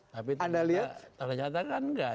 tapi ternyata kan nggak